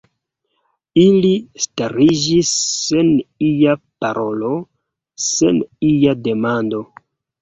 Ili stariĝis sen ia parolo, sen ia demando.